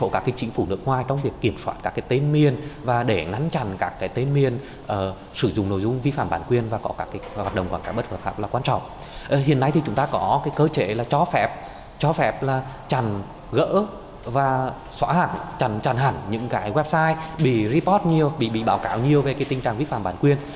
chẳng hẳn những cái website bị report nhiều bị báo cáo nhiều về cái tình trạng vi phạm bản quyền